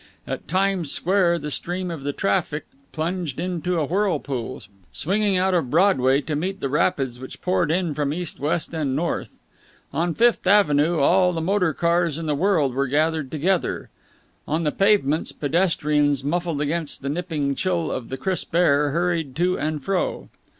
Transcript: At Times Square the stream of the traffic plunged into a whirlpool, swinging out of Broadway to meet the rapids which poured in from east, west, and north. On Fifth Avenue all the motor cars in the world were gathered together. On the pavements, pedestrians, muffled against the nipping chill of the crisp air, hurried to and fro.